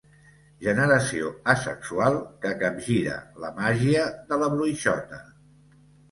Generació asexual que capgira la màgia de la bruixota.